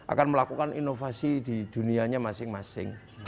akan melakukan inovasi di dunianya masing masing